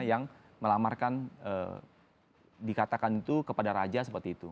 yang melamarkan dikatakan itu kepada raja seperti itu